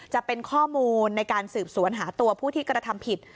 จะเป็นข้อมูลในการสืบสวนหาตัวผู้ที่กระทำผิด